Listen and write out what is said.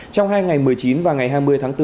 trong hai ngày một mươi chín và ngày hai mươi tháng bốn